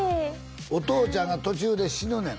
お父ちゃんが途中で死ぬねん